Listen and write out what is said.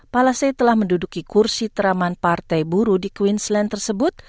palase telah menduduki kursi teraman partai buru di queensland tersebut